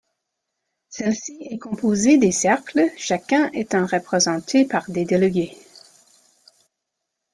Celle-ci est composée des cercles, chacun étant représenté par des délégués.